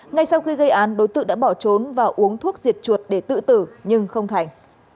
ngay sau khi gây án đối tượng đã bỏ trốn và uống thuốc diệt chuột để tự tử nhưng không thành